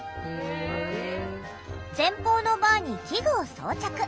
前方のバーに器具を装着。